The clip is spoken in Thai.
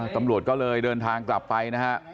ตำรวจก็เลยเดินทางกลับไปนะฮะ